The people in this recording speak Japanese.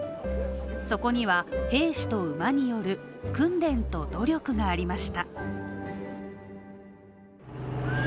そこには兵士と馬による訓練と努力がありました。